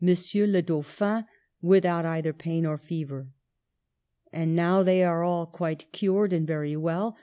le Dauphin, without either pain or fever. And now they all are quite cured and very well.